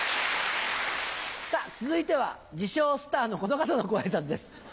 さぁ続いては自称スターのこの方のご挨拶です。